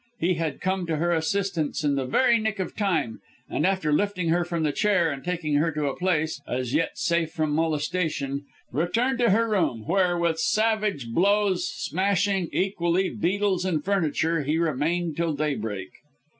He had come to her assistance in the very nick of time, and after lifting her from the chair and taking her to a place, as yet safe from molestation, returned to her room, where, with savage blows, smashing, equally, beetles and furniture, he remained till daybreak.